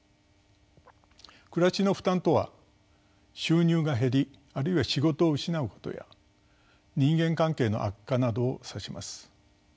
「暮らしの負担」とは収入が減りあるいは仕事を失うことや人間関係の悪化などを指します。